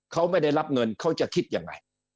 เขาไม่ได้รับเงินเขาจะคิดยังไง